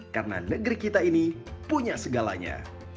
karena negeri kita ini punya segalanya